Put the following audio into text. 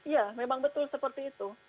ya memang betul seperti itu